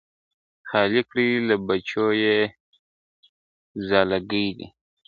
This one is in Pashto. خالي کړي له بچو یې ځالګۍ دي !.